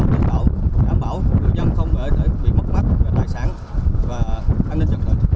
và đảm bảo người dân không bị mất mắt về tài sản và an ninh trật tự